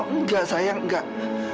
oh enggak sayang enggak